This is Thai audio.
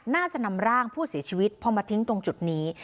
น่าจะนำร่างผู้เสียชีวิตพอมาทิ้งตรงจุดนี้